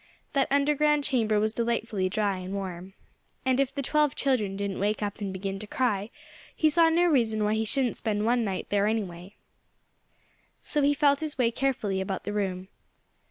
That underground chamber was delightfully dry and warm. And if the twelve children didn't wake up and begin to cry he saw no reason why he shouldn't spend one night there, anyway. So he felt his way carefully about the room.